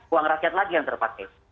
uang rakyat lagi yang terpakai